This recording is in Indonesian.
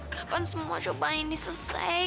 kapan semua jawabannya selesai